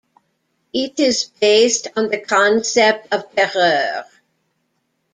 It is based on the concept of "terroir".